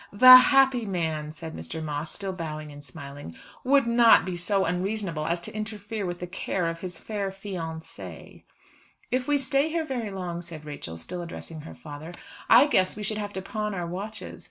"The happy man," said Mr. Moss, still bowing and smiling, "would not be so unreasonable as to interfere with the career of his fair fiancée." "If we stay here very long," said Rachel, still addressing her father, "I guess we should have to pawn our watches.